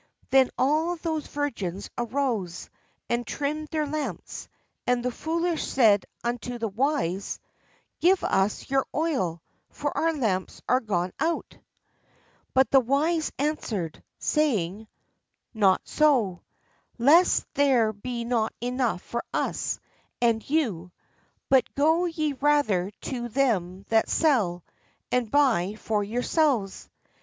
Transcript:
Then all those virgins arose, and trimmed their lamps. And the foolish said unto the wise: "Give us of your oil; for our lamps are THE WISE AND THE FOOLISH VIRGINS But the wise answered, saying :" Not so ; lest there be not enough for us and you: but go ye rather to them that sell, and buy for yourselves."